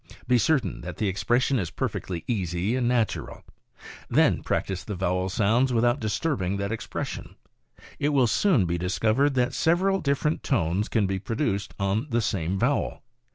Be certain that the expression is perfectly easy and natural. Then practice the vowel sounds without dis turbing that expression. It will soon be discovered that several different tones can be produced on the same vowel.